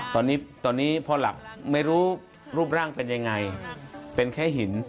ตอนนี้ตอนนี้พ่อหลับไม่รู้รูปร่างเป็นยังไงเป็นแค่หิน